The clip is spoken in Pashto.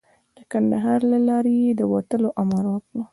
د کندهار له لارې یې د وتلو امر وکړ.